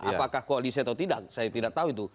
apakah koalisi atau tidak saya tidak tahu itu